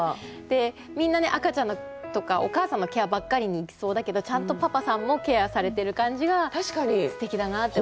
みんなね赤ちゃんとかお母さんのケアばっかりにいきそうだけどちゃんとパパさんもケアされてる感じがすてきだなって思いました。